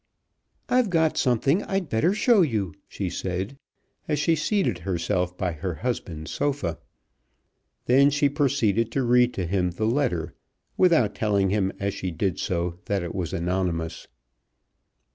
"I've got something I'd better show you," she said, as she seated herself by her husband's sofa. Then she proceeded to read to him the letter, without telling him as she did so that it was anonymous.